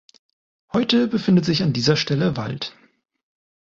Heute befindet sich an dieser Stelle Wald.